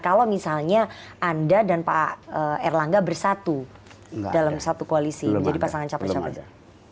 kalau misalnya anda dan pak erlangga bersatu dalam satu koalisi menjadi pasangan capres capres